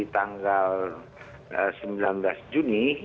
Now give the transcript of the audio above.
tanggal sembilan belas juni